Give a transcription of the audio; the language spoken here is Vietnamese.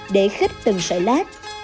để khích từng sợi lát